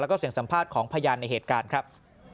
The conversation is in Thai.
แล้วก็เสียงสัมภาษณ์ของพยานในเหตุการณ์ครับ